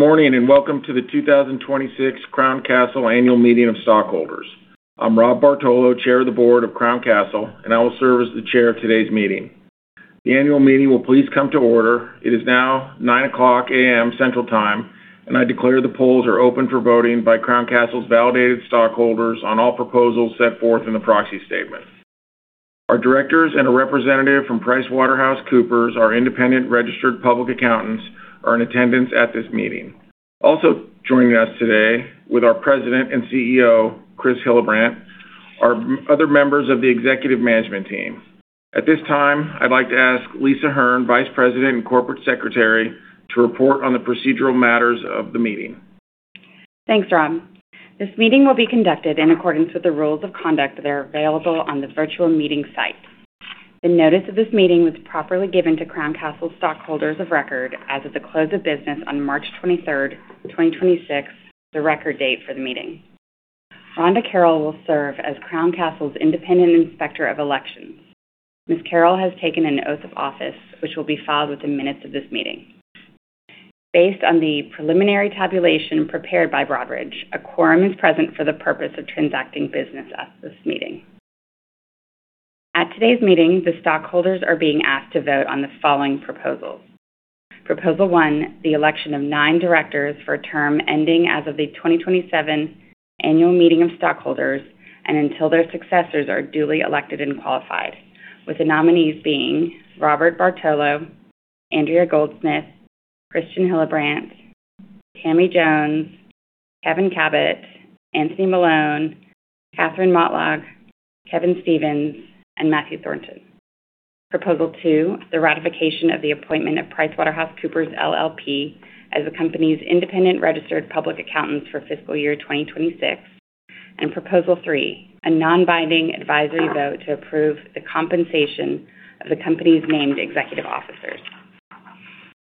Good morning, welcome to the 2026 Crown Castle Annual Meeting of Stockholders. I'm Rob Bartolo, Chair of the Board of Crown Castle, I will serve as the Chair of today's meeting. The annual meeting will please come to order. It is now 9:00 A.M. Central Time, I declare the polls are open for voting by Crown Castle's validated stockholders on all proposals set forth in the proxy statement. Our directors and a representative from PricewaterhouseCoopers, our independent registered public accountants, are in attendance at this meeting. Also joining us today with our President and CEO, Chris Hillabrant, are other members of the executive management team. At this time, I'd like to ask Lisa Hearn, Vice President and Corporate Secretary, to report on the procedural matters of the meeting. Thanks, Rob. This meeting will be conducted in accordance with the rules of conduct that are available on the virtual meeting site. The notice of this meeting was properly given to Crown Castle stockholders of record as of the close of business on March 23rd, 2026, the record date for the meeting. Rhonda Carroll will serve as Crown Castle's independent inspector of elections. Ms. Carroll has taken an oath of office, which will be filed with the minutes of this meeting. Based on the preliminary tabulation prepared by Broadridge, a quorum is present for the purpose of transacting business at this meeting. At today's meeting, the stockholders are being asked to vote on the following proposals. Proposal 1, the election of nine directors for a term ending as of the 2027 annual meeting of stockholders and until their successors are duly elected and qualified, with the nominees being Robert Bartolo, Andrea Goldsmith, Christian Hillabrant, Tammy Jones, Kevin Kabat, Anthony Melone, Katherine Motlagh, Kevin Stephens, and Matthew Thornton, III. Proposal 2, the ratification of the appointment of PricewaterhouseCoopers LLP as the company's independent registered public accountants for fiscal year 2026. Proposal 3, a non-binding advisory vote to approve the compensation of the company's named executive officers.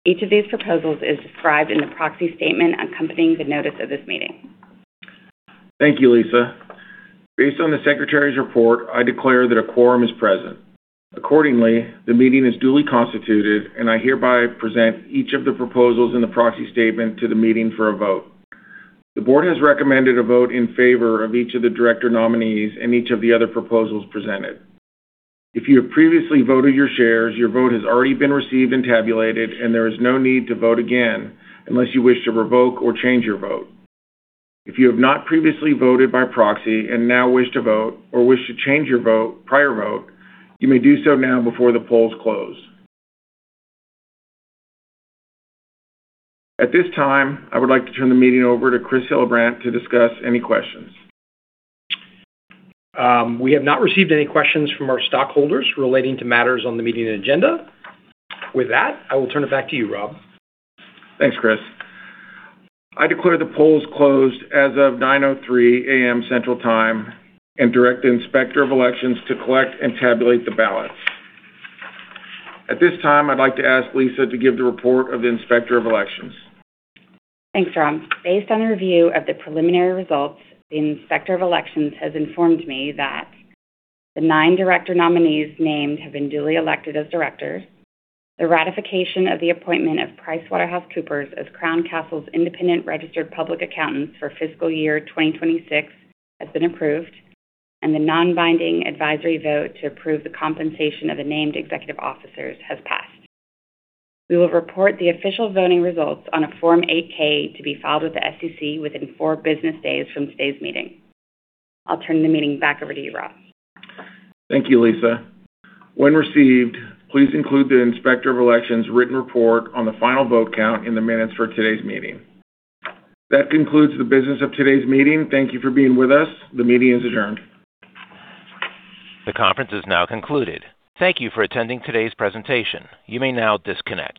Each of these proposals is described in the proxy statement accompanying the notice of this meeting. Thank you, Lisa. Based on the secretary's report, I declare that a quorum is present. Accordingly, the meeting is duly constituted, I hereby present each of the proposals in the proxy statement to the meeting for a vote. The board has recommended a vote in favor of each of the director nominees and each of the other proposals presented. If you have previously voted your shares, your vote has already been received and tabulated, there is no need to vote again unless you wish to revoke or change your vote. If you have not previously voted by proxy, now wish to vote or wish to change your vote, you may do so now before the polls close. At this time, I would like to turn the meeting over to Chris Hillabrant to discuss any questions. We have not received any questions from our stockholders relating to matters on the meeting agenda. With that, I will turn it back to you, Rob. Thanks, Chris. I declare the polls closed as of 9:03 AM Central Time and direct the Inspector of Elections to collect and tabulate the ballots. At this time, I'd like to ask Lisa to give the report of the Inspector of Elections. Thanks, Rob. Based on a review of the preliminary results, the Inspector of Elections has informed me that the nine director nominees named have been duly elected as directors. The ratification of the appointment of PricewaterhouseCoopers as Crown Castle's independent registered public accountants for fiscal year 2026 has been approved, and the non-binding advisory vote to approve the compensation of the named executive officers has passed. We will report the official voting results on a Form 8-K to be filed with the SEC within four business days from today's meeting. I'll turn the meeting back over to you, Rob. Thank you, Lisa. When received, please include the Inspector of Election's written report on the final vote count in the minutes for today's meeting. That concludes the business of today's meeting. Thank you for being with us. The meeting is adjourned. The conference is now concluded. Thank you for attending today's presentation. You may now disconnect.